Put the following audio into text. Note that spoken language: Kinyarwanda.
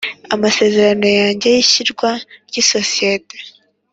Amasezerano ya mbere y ishingwa ry isosiyete